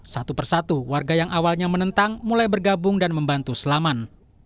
satu persatu warga yang awalnya menentang mulai bergabung dan membantu selamat